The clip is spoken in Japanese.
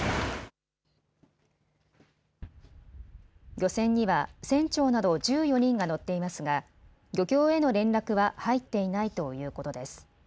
漁船には船長など１４人が乗っていますが漁協への連絡は入っていないとこういうことです。